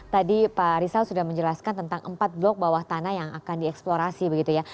jadi pak rizal sudah menjelaskan tentang empat blok bawah tanah yang akan dieksplorasi begitu ya